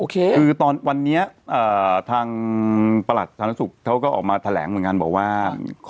คือตอนนี้ทางประหลัดสาธารณสุขเขาก็ออกมาแถลงเหมือนกันบอกว่า